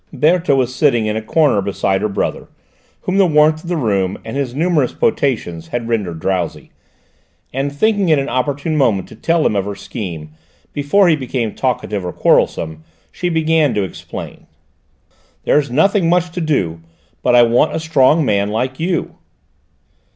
Berthe was sitting in a corner beside her brother, whom the warmth of the room and his numerous potations had rendered drowsy, and thinking it an opportune moment to tell him of her scheme, before he became talkative or quarrelsome, she began to explain. "There's nothing much to do, but I want a strong man like you."